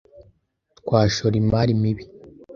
Twashora imari mibi.